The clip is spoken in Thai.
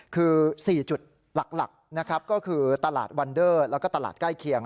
คือ๔จุดหลักนะครับก็คือตลาดวันเดอร์แล้วก็ตลาดใกล้เคียง